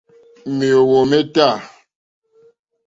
Mèóhwò mé tâ.